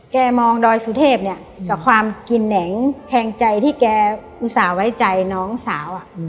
แกมองดอยสุเทพเนี่ยกับความกินแหนงแคงใจที่แกอุตส่าห์ไว้ใจน้องสาว